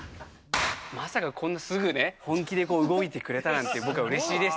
まさかこんなすぐね、本気で動いてくれたなんて、うれしいです。